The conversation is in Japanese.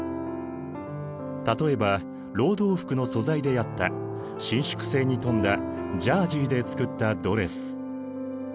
例えば労働服の素材であった伸縮性に富んだジャージーで作ったドレス。